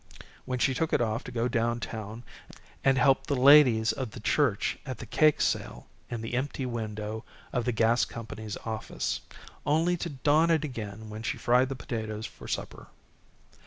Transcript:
when she took it off to go downtown and help the ladies of the church at the cake sale in the empty window of the gas company's office, only to don it again when she fried the potatoes for supper.